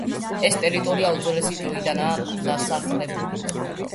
ეს ტერიტორია უძველესი დროიდანაა დასახლებული.